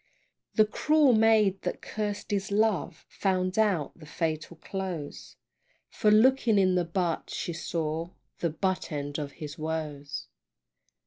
The cruel maid that caused his love Found out the fatal close, For looking in the butt, she saw The butt end of his woes.